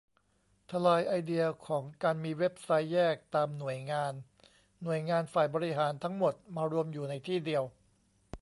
ทลายไอเดียของการมีเว็บไซต์แยกตามหน่วยงาน หน่วยงานฝ่ายบริหารทั้งหมดมารวมอยู่ในที่เดียว